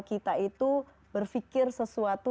kita itu berpikir sesuatu